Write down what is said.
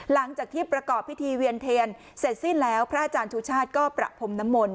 หลังจากที่ประกอบพิธีเวียนเทียนเสร็จสิ้นแล้วพระอาจารย์ชูชาติก็ประพรมน้ำมนต